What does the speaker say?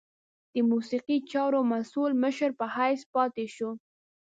د موسیقي چارو مسؤل مشر په حیث پاته شو.